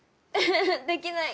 できない！